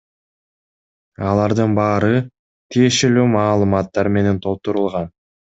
Алардын баары тиешелүү маалыматтар менен толтурулган.